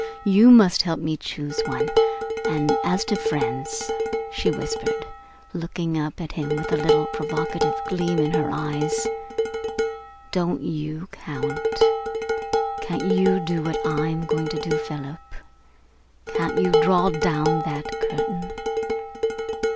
You must help me choose one. And as to friends," she whispered, looking up at him with a little provocative gleam in her eyes, "don't you count? Can't you do what I am going to do, Philip? Can't you draw down that curtain?"